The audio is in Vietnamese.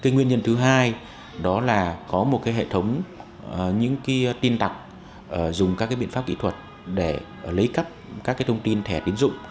nguyên nhân thứ hai đó là có một hệ thống tin tặc dùng các biện pháp kỹ thuật để lấy cắt các thông tin thẻ tiến dụng